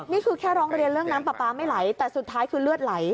นี่คือแค่ร้องเรียนเรื่องน้ำปลาปลาไม่ไหลแต่สุดท้ายคือเลือดไหล